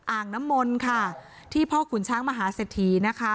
อ่างน้ำมนต์ค่ะที่พ่อขุนช้างมหาเศรษฐีนะคะ